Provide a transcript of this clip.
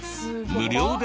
無料で！？